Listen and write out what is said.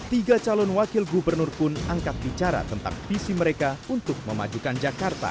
tiga calon wakil gubernur pun angkat bicara tentang visi mereka untuk memajukan jakarta